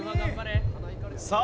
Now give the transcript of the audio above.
さあ